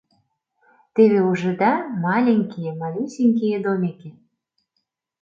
— Теве ужыда, маленькие, малюсенькие домики.